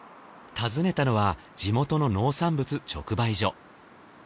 訪ねたのは地元の農産物直売所。